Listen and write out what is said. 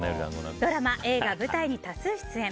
ドラマ、映画、舞台に多数出演。